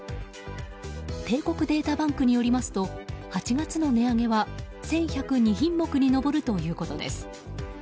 帝国データバンクによりますと８月の値上げは１１０２品目に上るということです。